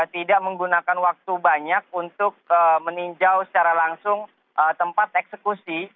tidak menggunakan waktu banyak untuk meninjau secara langsung tempat eksekusi